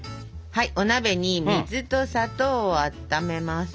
はいお鍋に水と砂糖をあっためます。